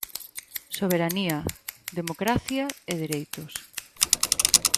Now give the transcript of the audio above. Soberanía, democracia e dereitos.